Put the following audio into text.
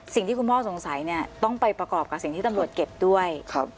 สิ่งที่คุณพ่อสงสัยเนี่ยต้องไปประกอบกับสิ่งที่ตำรวจเก็บด้วย